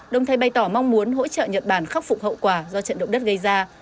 đồng thời bày tỏ mong muốn hỗ trợ nhật bản khắc phục hậu quả do trận động đất gây ra